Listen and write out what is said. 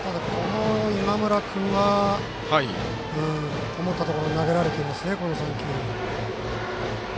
ただ、今村君は思ったところに投げられていますね、この３球。